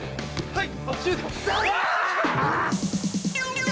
はい！